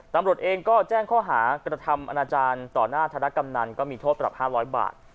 ตำรวจเองก็แจ้งเข้าหากฎธรรมอาณาจารย์ต่อหน้าธรรมนันก็มีโทษตระบ๕๐๐บาท